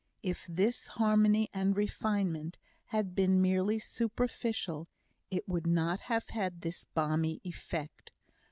If this harmony and refinement had been merely superficial, it would not have had this balmy effect.